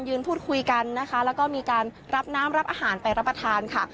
พูดคุยกันนะคะแล้วก็มีการรับน้ำรับอาหารไปรับประทานค่ะ